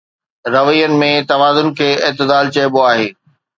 روين ۾ توازن کي اعتدال چئبو آهي.